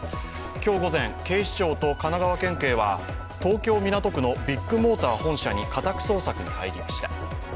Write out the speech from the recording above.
今日午前、警視庁と神奈川県警は東京・港区のビッグモーター本社に家宅捜索に入りました。